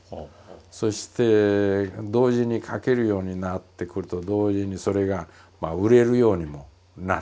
そして同時に書けるようになってくると同時にそれが売れるようにもなってきたんですね。